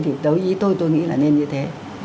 thì tới ý tôi tôi nghĩ là nên như thế